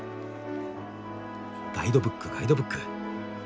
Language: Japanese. ガイドブックガイドブック。